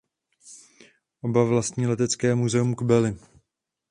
Oba vlastní Letecké muzeum Kbely.